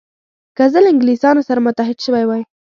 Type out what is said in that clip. که زه له انګلیسانو سره متحد شوی وای.